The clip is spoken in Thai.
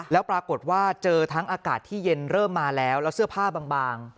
แล้วปรากฏว่าเจอทั้งอากาศที่เย็นเริ่มมาแล้วแล้วเสื้อผ้าบาง